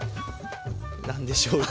なんでしょうか。